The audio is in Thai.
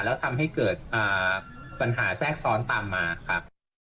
แล้วทำให้เกิดปัญหาแทรกซ้อนตามมาครับ